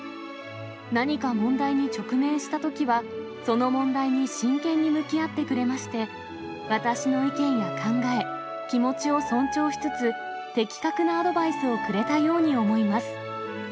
何か問題に直面したときは、その問題に真剣に向き合ってくれまして、私の意見や考え、気持ちを尊重しつつ、的確なアドバイスをくれたように思います。